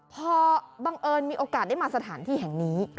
พอบังเอิญมีโอกาสได้มาสถานที่แห่งนี้